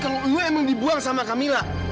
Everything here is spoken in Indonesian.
kalau lo emang dibuang sama camilla